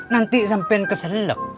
nanti sampian keselak